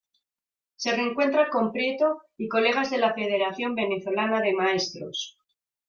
Se reencuentra con Prieto y colegas de la Federación Venezolana de Maestros.